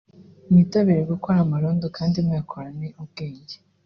mwitabire gukora amarondo kandi muyakorane ubwenge